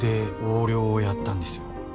横領をやったんですよ。